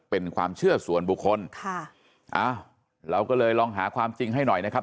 เป็นความเชื่อส่วนบุคคลค่ะอ้าวเราก็เลยลองหาความจริงให้หน่อยนะครับ